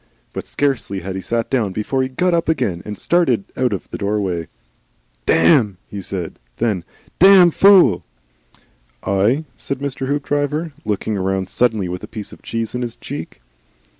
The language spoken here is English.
But scarcely had he sat down before he got up again and stared out of the doorway. "Damn!" said he. Then, "Damned Fool!" "Eigh?" said Mr. Hoopdriver, looking round suddenly with a piece of cheese in his cheek.